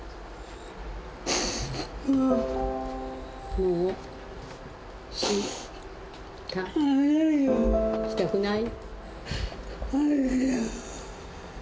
もう、したくない。